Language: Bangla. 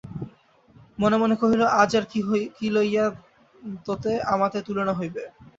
মনে মনে কহিল, আজ আর কী লইয়া তোতে আমাতে তুলনা হইবে।